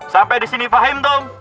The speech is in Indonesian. sampai disini paham